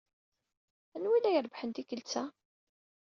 Anwa ay la irebbḥen tikkelt-a?